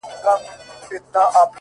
په خوښۍ کي به مي ستا د ياد ډېوه وي _